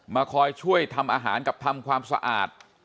คอยช่วยทำอาหารกับทำความสะอาด